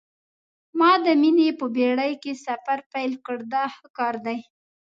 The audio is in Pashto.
ما د مینې په بېړۍ کې سفر پیل کړ دا ښه کار دی.